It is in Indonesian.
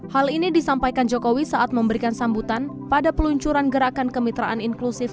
hal ini disampaikan jokowi saat memberikan sambutan pada peluncuran gerakan kemitraan inklusif